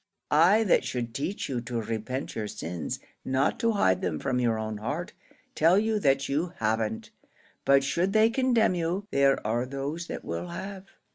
I that should teach you to repent your sins, not to hide them from your own heart, tell you that you haven't. But should they condemn you, there are those that will have.